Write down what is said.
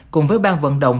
cùng với bang vận động